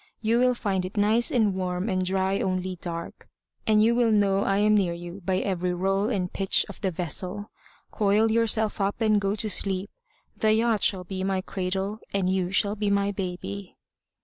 You will find it nice and warm and dry only dark; and you will know I am near you by every roll and pitch of the vessel. Coil yourself up and go to sleep. The yacht shall be my cradle and you shall be my baby."